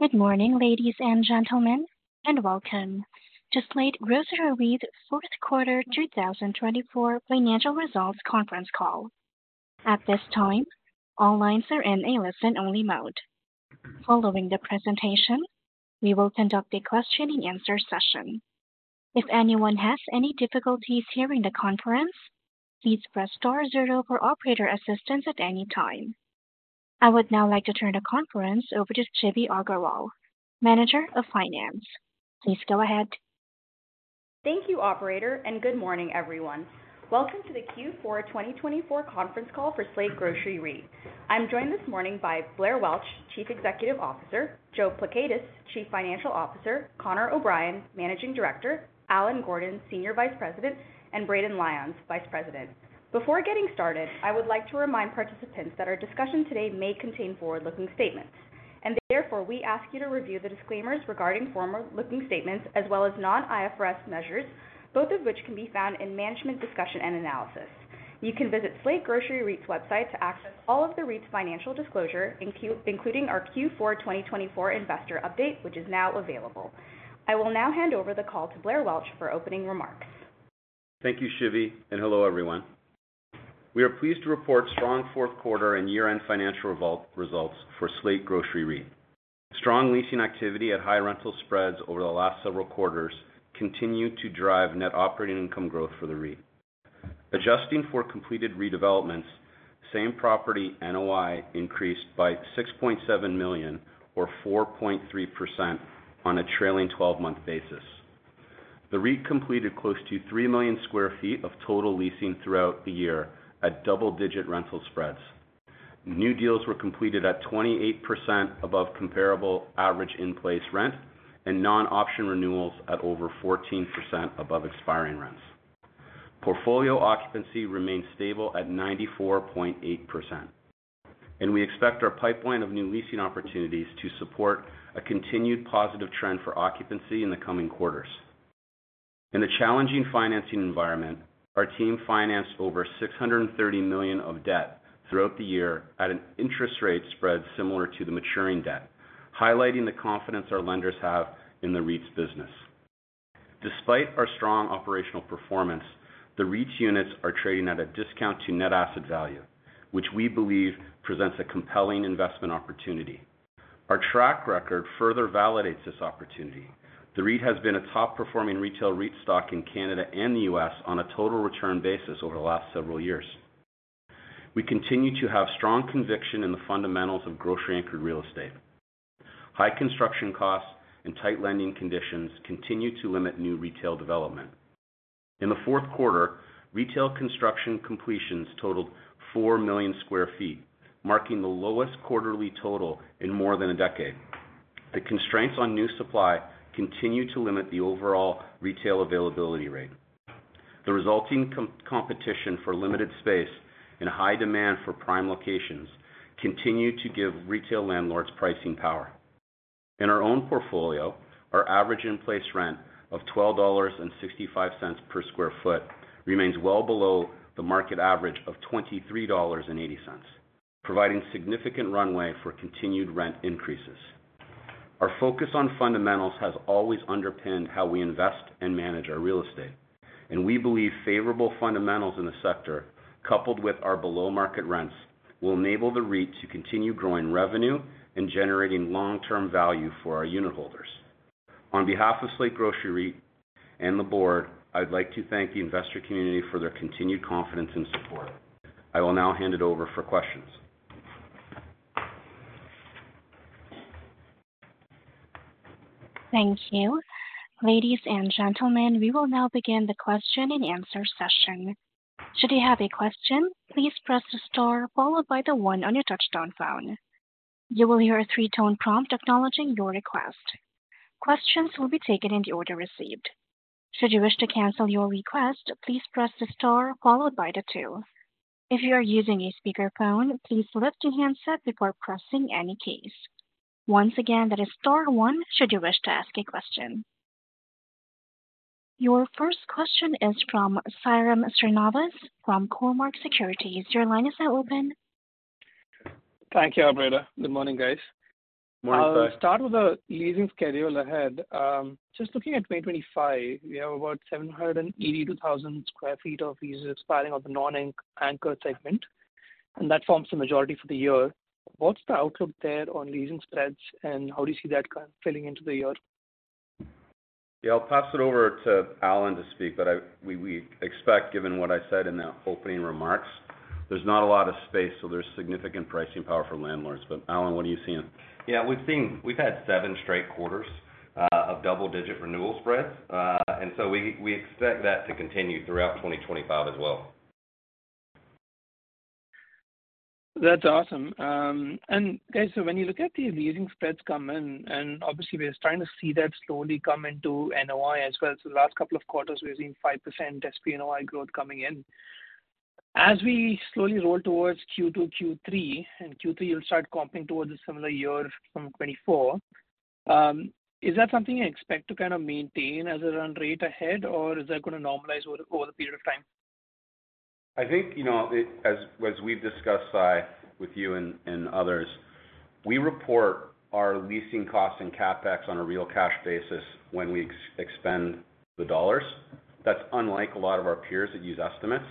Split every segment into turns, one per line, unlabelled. Good morning, ladies and gentlemen, and welcome to Slate Grocery REIT's fourth quarter 2024 financial results conference call. At this time, all lines are in a listen-only mode. Following the presentation, we will conduct a question-and-answer session. If anyone has any difficulties hearing the conference, please press star zero for operator assistance at any time. I would now like to turn the conference over to Shivi Agarwal, Manager of Finance. Please go ahead.
Thank you, Operator, and good morning, everyone. Welcome to the Q4 2024 conference call for Slate Grocery REIT. I'm joined this morning by Blair Welch, Chief Executive Officer, Joe Pleckaitis, Chief Financial Officer, Connor O'Brien, Managing Director, Allen Gordon, Senior Vice President, and Braden Lyons, Vice President. Before getting started, I would like to remind participants that our discussion today may contain forward-looking statements, and therefore, we ask you to review the disclaimers regarding forward-looking statements as well as non-IFRS measures, both of which can be found in Management's Discussion and Analysis. You can visit Slate Grocery REIT's website to access all of the REIT's financial disclosure, including our Q4 2024 investor update, which is now available. I will now hand over the call to Blair Welch for opening remarks.
Th`ank y`ou, Shivi, and hello, everyone. We are pleased to report strong fourth quarter and year-end financial results for Slate Grocery REIT. Strong leasing activity at high rental spreads over the last several quarters continues to drive net operating income growth for the REIT. Adjusting for completed redevelopments, same property NOI increased by $6.7 million, or 4.3%, on a trailing 12-month basis. The REIT completed close to 3 million sq ft of total leasing throughout the year at double-digit rental spreads. New deals were completed at 28% above comparable average in-place rent and non-option renewals at over 14% above expiring rents. Portfolio occupancy remains stable at 94.8%, and we expect our pipeline of new leasing opportunities to support a continued positive trend for occupancy in the coming quarters. In a challenging financing environment, our team financed over $630 million of debt throughout the year at an interest rate spread similar to the maturing debt, highlighting the confidence our lenders have in the REIT's business. Despite our strong operational performance, the REIT's units are trading at a discount to net asset value, which we believe presents a compelling investment opportunity. Our track record further validates this opportunity. The REIT has been a top-performing retail REIT stock in Canada and the U.S. on a total return basis over the last several years. We continue to have strong conviction in the fundamentals of grocery-anchored real estate. High construction costs and tight lending conditions continue to limit new retail development. In the fourth quarter, retail construction completions totaled 4 million sq ft, marking the lowest quarterly total in more than a decade. The constraints on new supply continue to limit the overall retail availability rate. The resulting competition for limited space and high demand for prime locations continue to give retail landlords pricing power. In our own portfolio, our average in-place rent of $12.65 per sq ft remains well below the market average of $23.80, providing significant runway for continued rent increases. Our focus on fundamentals has always underpinned how we invest and manage our real estate, and we believe favorable fundamentals in the sector, coupled with our below-market rents, will enable the REIT to continue growing revenue and generating long-term value for our unit holders. On behalf of Slate Grocery REIT and the board, I'd like to thank the investor community for their continued confidence and support. I will now hand it over for questions.
Thank you. Ladies and gentlemen, we will now begin the question-and-answer session. Should you have a question, please press the star, followed by the one on your touch-tone phone. You will hear a three-tone prompt acknowledging your request. Questions will be taken in the order received. Should you wish to cancel your request, please press the star, followed by the two. If you are using a speakerphone, please lift your handset before pressing any keys. Once again, that is star one should you wish to ask a question. Your first question is from Sairam Srinivas from Cormark Securities. Your line is now open.
Thank you, Operator. Good morning, guys.
Morning, sir.
I'll start with the leasing schedule ahead. Just looking at 2025, we have about 782,000 sq ft of leases expiring of the non-anchored segment, and that forms the majority for the year. What's the outlook there on leasing spreads, and how do you see that kind of filling into the year?
Yeah, I'll pass it over to Allen to speak, but we expect, given what I said in the opening remarks, there's not a lot of space, so there's significant pricing power for landlords. But Allen, what are you seeing?
Yeah, we've seen we had seven straight quarters of double-digit renewal spreads, and so we expect that to continue throughout 2025 as well.
That's awesome. And guys, so when you look at the leasing spreads come in, and obviously, we're starting to see that slowly come into NOI as well. So the last couple of quarters, we've seen 5% SP NOI growth coming in. As we slowly roll towards Q2, Q3, and Q3, you'll start comping towards a similar year from 2024. Is that something you expect to kind of maintain as a run rate ahead, or is that going to normalize over the period of time?
I think, you know, as we've discussed with you and others, we report our leasing costs and CapEx on a real cash basis when we expend the dollars. That's unlike a lot of our peers that use estimates.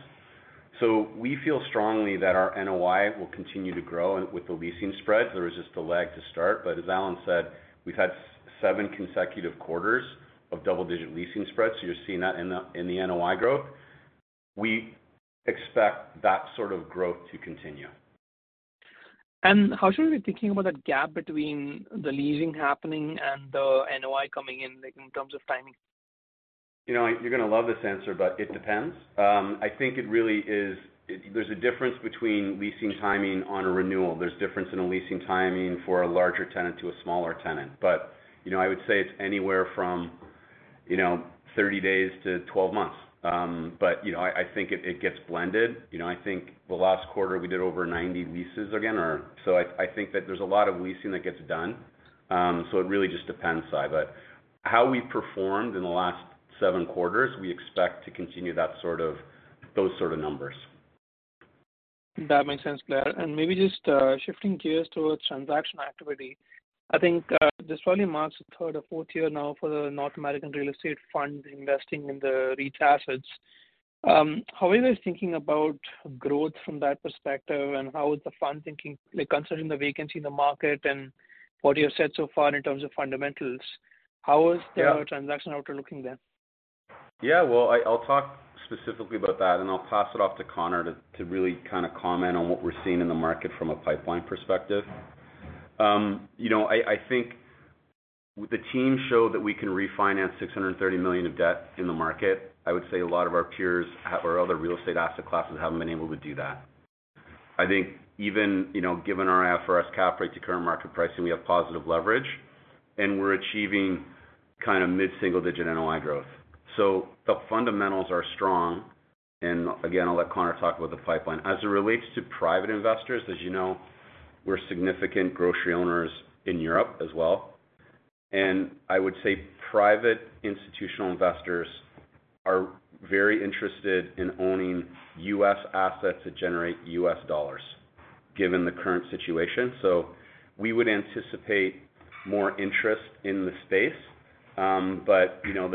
So we feel strongly that our NOI will continue to grow with the leasing spreads. There was just a lag to start, but as Allen said, we've had seven consecutive quarters of double-digit leasing spreads, so you're seeing that in the NOI growth. We expect that sort of growth to continue.
How should we be thinking about the gap between the leasing happening and the NOI coming in, like in terms of timing?
You know, you're going to love this answer, but it depends. I think it really is there's a difference between leasing timing on a renewal. There's a difference in a leasing timing for a larger tenant to a smaller tenant, but, you know, I would say it's anywhere from, you know, 30 days to 12 months. But, you know, I think it gets blended. You know, I think the last quarter, we did over 90 leases again, or so I think that there's a lot of leasing that gets done, so it really just depends, Srinivas. But how we performed in the last seven quarters, we expect to continue that sort of those sort of numbers.
That makes sense, Blair, and maybe just shifting gears towards transaction activity. I think this probably marks the third or fourth year now for the North American Real Estate Fund investing in the REIT assets. How are you guys thinking about growth from that perspective, and how is the fund thinking, like considering the vacancy in the market and what you've said so far in terms of fundamentals? How is the transaction outlook looking there?
Yeah, well, I'll talk specifically about that, and I'll pass it off to Connor to really kind of comment on what we're seeing in the market from a pipeline perspective. You know, I think the team showed that we can refinance $630 million of debt in the market. I would say a lot of our peers or other real estate asset classes haven't been able to do that. I think even, you know, given our IFRS cap rate to current market pricing, we have positive leverage, and we're achieving kind of mid-single-digit NOI growth. So the fundamentals are strong, and again, I'll let Connor talk about the pipeline. As it relates to private investors, as you know, we're significant grocery owners in Europe as well, and I would say private institutional investors are very interested in owning U.S. assets that generate U.S. dollars, given the current situation. So we would anticipate more interest in the space, but, you know,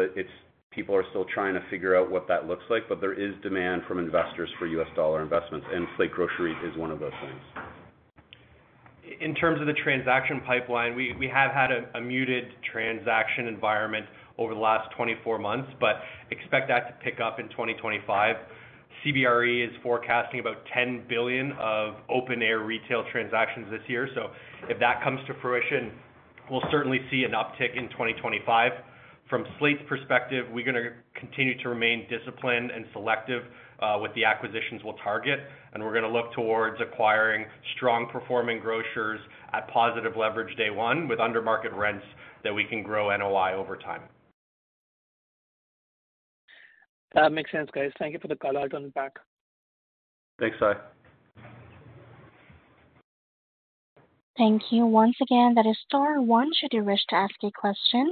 people are still trying to figure out what that looks like, but there is demand from investors for U.S. dollar investments, and Slate Grocery is one of those things.
In terms of the transaction pipeline, we have had a muted transaction environment over the last 24 months, but expect that to pick up in 2025. CBRE is forecasting about $10 billion of open-air retail transactions this year, so if that comes to fruition, we'll certainly see an uptick in 2025. From Slate's perspective, we're going to continue to remain disciplined and selective with the acquisitions we'll target, and we're going to look towards acquiring strong-performing grocers at positive leverage day one with under-market rents that we can grow NOI over time.
That makes sense, guys. Thank you for the call out on the back.
Thanks, Sairam.
Thank you. Once again, that is star one, should you wish to ask a question.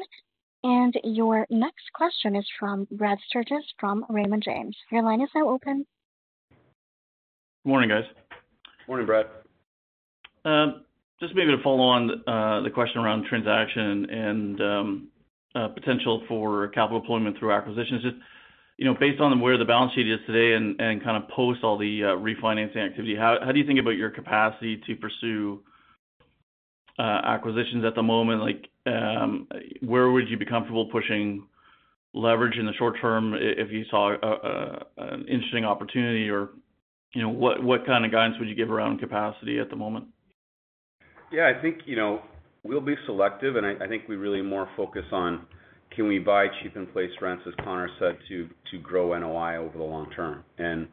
And your next question is from Brad Sturges from Raymond James. Your line is now open.
Good morning, guys.
Morning, Brad.
Just maybe to follow on the question around transaction and potential for capital deployment through acquisitions, just, you know, based on where the balance sheet is today and kind of post all the refinancing activity, how do you think about your capacity to pursue acquisitions at the moment? Like, where would you be comfortable pushing leverage in the short term if you saw an interesting opportunity, or, you know, what kind of guidance would you give around capacity at the moment?
Yeah, I think, you know, we'll be selective, and I think we really more focus on, can we buy cheap in-place rents, as Connor said, to grow NOI over the long term, and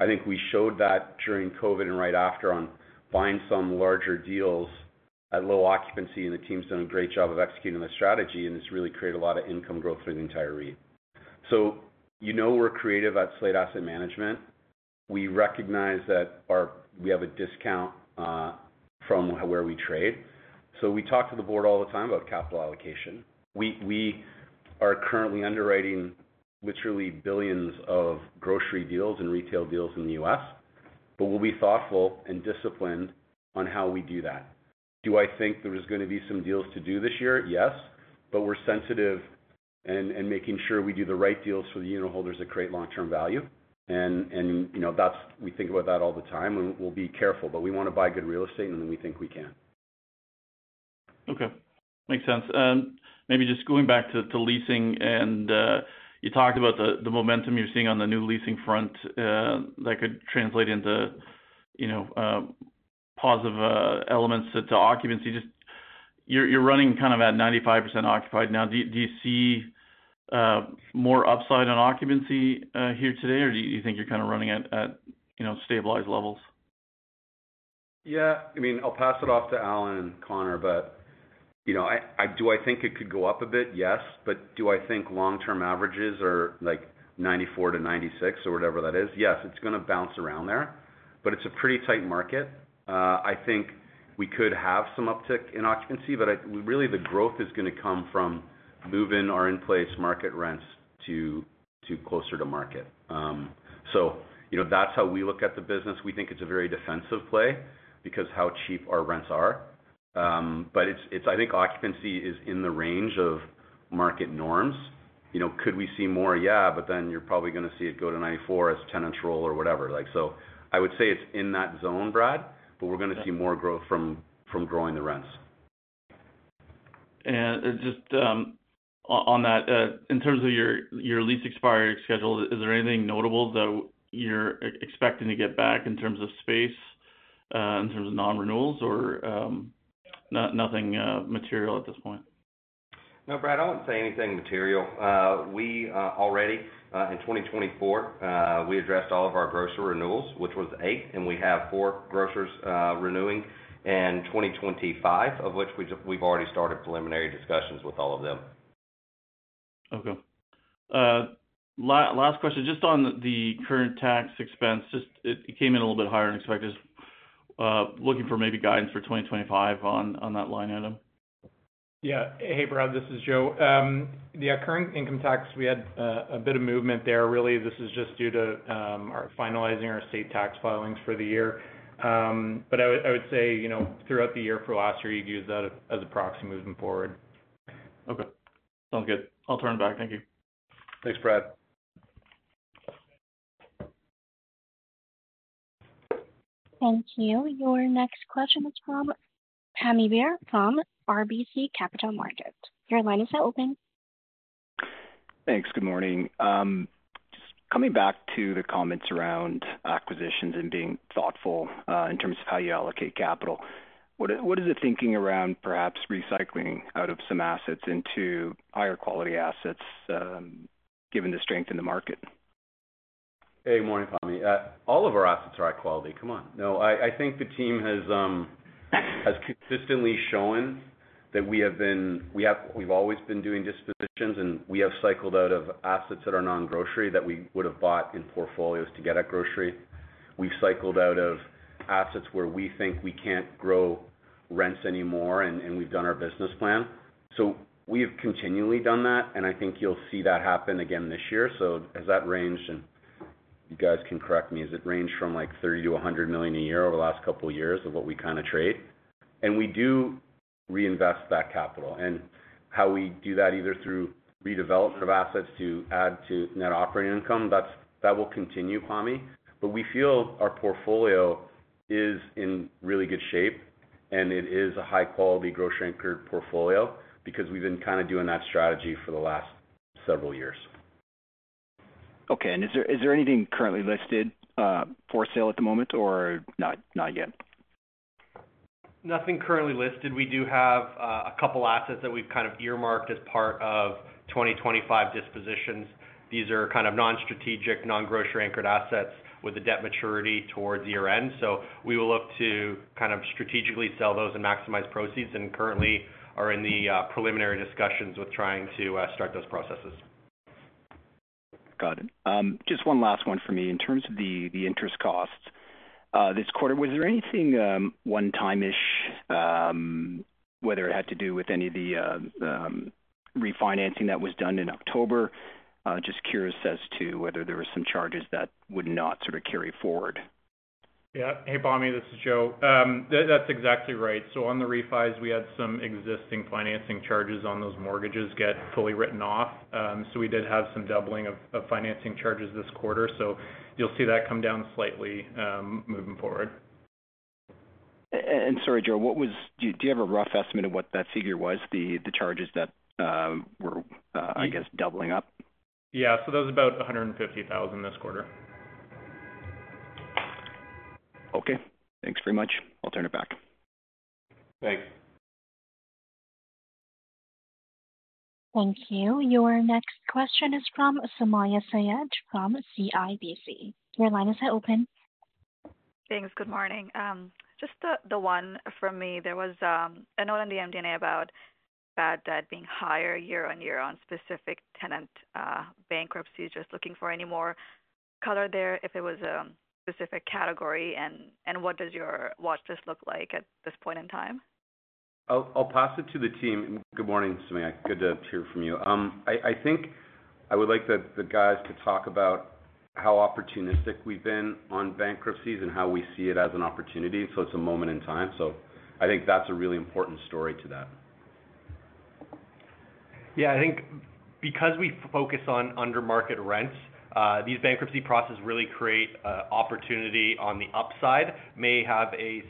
I think we showed that during COVID and right after on buying some larger deals at low occupancy, and the team's done a great job of executing the strategy, and it's really created a lot of income growth through the entire REIT. So, you know, we're creative at Slate Asset Management. We recognize that we have a discount from where we trade, so we talk to the board all the time about capital allocation. We are currently underwriting literally billions of grocery deals and retail deals in the U.S., but we'll be thoughtful and disciplined on how we do that. Do I think there's going to be some deals to do this year? Yes, but we're sensitive to making sure we do the right deals for the unit holders that create long-term value, and, you know, that's what we think about all the time, and we'll be careful, but we want to buy good real estate, and then we think we can.
Okay. Makes sense. And maybe just going back to leasing, and you talked about the momentum you're seeing on the new leasing front that could translate into, you know, positive elements to occupancy. Just you're running kind of at 95% occupied now. Do you see more upside on occupancy here today, or do you think you're kind of running at, you know, stabilized levels?
Yeah, I mean, I'll pass it off to Allen and Connor, but, you know, do I think it could go up a bit? Yes, but do I think long-term averages are like 94%-96% or whatever that is? Yes, it's going to bounce around there, but it's a pretty tight market. I think we could have some uptick in occupancy, but really the growth is going to come from moving our in-place market rents to closer to market. So, you know, that's how we look at the business. We think it's a very defensive play because of how cheap our rents are, but it's, I think, occupancy is in the range of market norms. You know, could we see more? Yeah, but then you're probably going to see it go to 94% as tenants roll or whatever. Like, so I would say it's in that zone, Brad, but we're going to see more growth from growing the rents.
Just on that, in terms of your lease expiry schedule, is there anything notable that you're expecting to get back in terms of space, in terms of non-renewals, or nothing material at this point?
No, Brad, I wouldn't say anything material. We already, in 2024, we addressed all of our grocery renewals, which was eight, and we have four grocers renewing in 2025, of which we've already started preliminary discussions with all of them.
Okay. Last question, just on the current tax expense, just it came in a little bit higher than expected. Just looking for maybe guidance for 2025 on that line item.
Yeah. Hey, Brad, this is Joe. Yeah, current income tax, we had a bit of movement there. Really, this is just due to our finalizing our state tax filings for the year, but I would say, you know, throughout the year for last year, you'd use that as a proxy moving forward.
Okay. Sounds good. I'll turn it back. Thank you.
Thanks, Brad.
Thank you. Your next question is from Pammi Bir from RBC Capital Markets. Your line is now open.
Thanks. Good morning. Just coming back to the comments around acquisitions and being thoughtful in terms of how you allocate capital, what is the thinking around perhaps recycling out of some assets into higher quality assets given the strength in the market?
Hey, morning, Pammi. All of our assets are high quality. Come on. No, I think the team has consistently shown that we've always been doing dispositions, and we have cycled out of assets that are non-grocery that we would have bought in portfolios to get at grocery. We've cycled out of assets where we think we can't grow rents anymore, and we've done our business plan. So we have continually done that, and I think you'll see that happen again this year. So has that ranged, and you guys can correct me, from like $30million-$100 million a year over the last couple of years of what we kind of trade? And we do reinvest that capital, and how we do that either through redevelopment of assets to add to net operating income. That will continue, Pammi, but we feel our portfolio is in really good shape, and it is a high-quality grocery-anchored portfolio because we've been kind of doing that strategy for the last several years.
Okay. And is there anything currently listed for sale at the moment or not yet?
Nothing currently listed. We do have a couple of assets that we've kind of earmarked as part of 2025 dispositions. These are kind of non-strategic, non-grocery-anchored assets with a debt maturity towards year-end, so we will look to kind of strategically sell those and maximize proceeds, and currently are in the preliminary discussions with trying to start those processes.
Got it. Just one last one for me. In terms of the interest costs this quarter, was there anything one-time-ish, whether it had to do with any of the refinancing that was done in October? Just curious as to whether there were some charges that would not sort of carry forward.
Yeah. Hey, Pammi, this is Joe. That's exactly right. So on the refis, we had some existing financing charges on those mortgages get fully written off, so we did have some doubling of financing charges this quarter, so you'll see that come down slightly moving forward.
Sorry, Joe, what was, do you have a rough estimate of what that figure was, the charges that were, I guess, doubling up?
Yeah, so that was about $150,000 this quarter.
Okay. Thanks very much. I'll turn it back.
Thanks.
Thank you. Your next question is from Sumayya Syed from CIBC. Your line is now open.
Thanks. Good morning. Just the one from me. There was another in the MD&A about bad debt being higher year-on-year on specific tenant bankruptcies. Just looking for any more color there if it was a specific category, and what does your watchlist look like at this point in time?
I'll pass it to the team. Good morning, Sumayya. Good to hear from you. I think I would like the guys to talk about how opportunistic we've been on bankruptcies and how we see it as an opportunity, so it's a moment in time. So I think that's a really important story to that.
Yeah, I think because we focus on under-market rents, these bankruptcy processes really create opportunity on the upside, may have a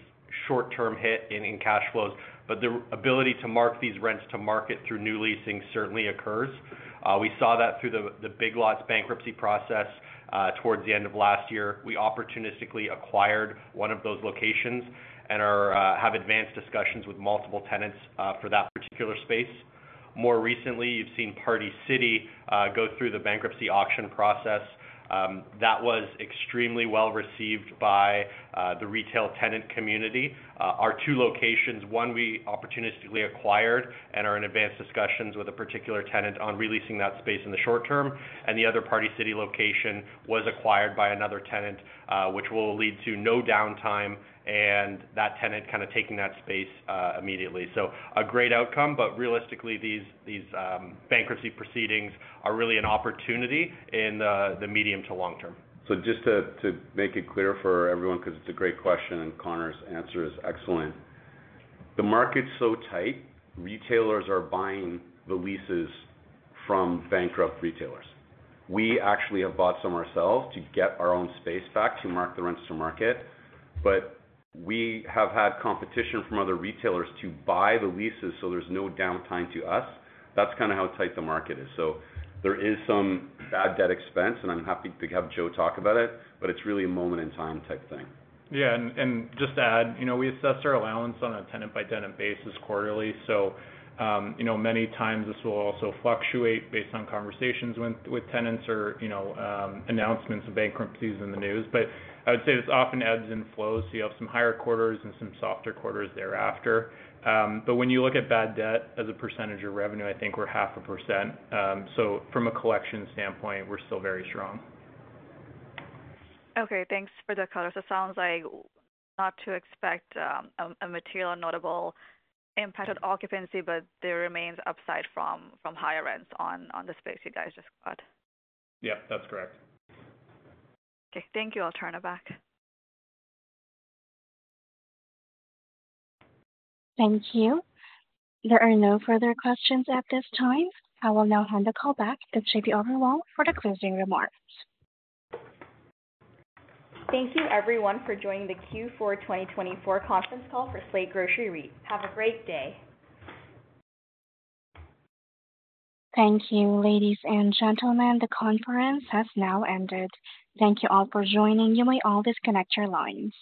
short-term hit in cash flows, but the ability to mark these rents to market through new leasing certainly occurs. We saw that through the Big Lots bankruptcy process towards the end of last year. We opportunistically acquired one of those locations and have advanced discussions with multiple tenants for that particular space. More recently, you've seen Party City go through the bankruptcy auction process. That was extremely well received by the retail tenant community. Our two locations, one we opportunistically acquired and are in advanced discussions with a particular tenant on releasing that space in the short term, and the other Party City location was acquired by another tenant, which will lead to no downtime, and that tenant kind of taking that space immediately. So a great outcome, but realistically, these bankruptcy proceedings are really an opportunity in the medium to long term.
So just to make it clear for everyone, because it's a great question, and Connor's answer is excellent. The market's so tight, retailers are buying the leases from bankrupt retailers. We actually have bought some ourselves to get our own space back to mark the rents to market, but we have had competition from other retailers to buy the leases so there's no downtime to us. That's kind of how tight the market is. So there is some bad debt expense, and I'm happy to have Joe talk about it, but it's really a moment in time type thing.
Yeah. And just to add, you know, we assess our allowance on a tenant-by-tenant basis quarterly, so, you know, many times this will also fluctuate based on conversations with tenants or, you know, announcements of bankruptcies in the news, but I would say this often ebbs and flows, so you have some higher quarters and some softer quarters thereafter. But when you look at bad debt as a percentage of revenue, I think we're 0.5%, so from a collection standpoint, we're still very strong.
Okay. Thanks for the color. So it sounds like not to expect a material notable impact on occupancy, but there remains upside from higher rents on the space you guys just bought.
Yep, that's correct.
Okay. Thank you. I'll turn it back.
Thank you. There are no further questions at this time. I will now hand the call back to Shivi Agarwal for the closing remarks.
Thank you, everyone, for joining the Q4 2024 conference call for Slate Grocery REIT. Have a great day.
Thank you, ladies and gentlemen. The conference has now ended. Thank you all for joining. You may always connect your lines.